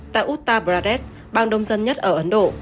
tại uttar pradesh bang đông dân nhất ở ấn độ